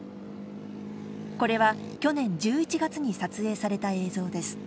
これは去年１１月に撮影された映像です。